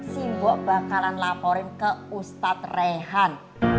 si bu bakalan laporin ke ustadz reyhan